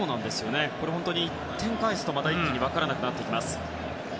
本当に１点返すと一気に分からなくなります。